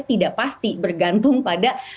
tidak pasti bergantung pada